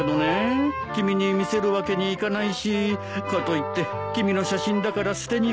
君に見せるわけにいかないしかといって君の写真だから捨てにくいし。